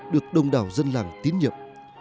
được đông đảo dân làng tín nhiệm